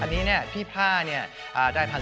อันนี้เนี่ยพี่พ่าเนี่ยได้๑๓๐๐บาท